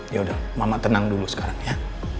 yaudah mama tenang dulu sekarang ya